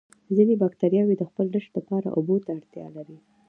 ځینې باکتریاوې د خپل رشد لپاره اوبو ته اړتیا لري.